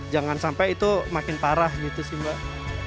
jangan sampai itu makin parah gitu sih mbak